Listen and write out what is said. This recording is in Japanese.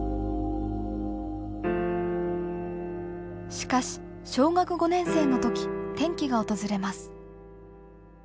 しかし小学５年生の時転機が訪れます。